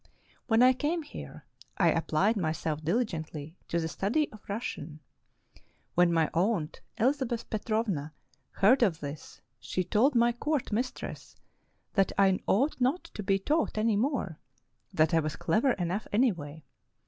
When I came here, I applied my self diligently to the study of Russian. When my aunt, Elizabeth Petrovna, heard of this, she told my court mistress that I ought not to be taught any more, — that I was clever enough anyway.